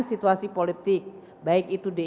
situasi politik baik itu di